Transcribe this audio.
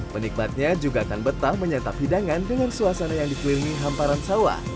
penikmatnya juga akan betah menyantap hidangan dengan suasana yang dikelilingi hamparan sawah